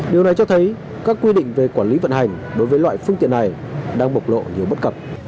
điều này cho thấy các quy định về quản lý vận hành đối với loại phương tiện này đang bộc lộ nhiều bất cập